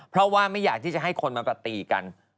เพราะว่าไม่อยากที่จะให้คนมากระตีกัน